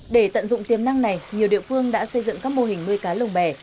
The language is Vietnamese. để tận dụng tiềm năng này nhiều địa phương đã xây dựng các mô hình nuôi cá lồng bè